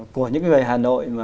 của những người hà nội